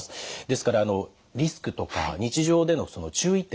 ですからリスクとか日常での注意点